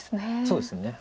そうですね。